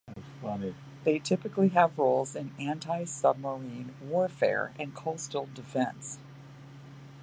They typically have roles in anti-submarine warfare and coastal defence.